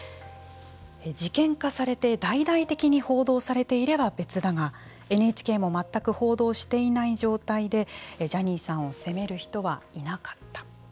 事件化されて大々的に報道されていれば別だがＮＨＫも全く報道していない状態でジャニーさんを責める人はいなかった。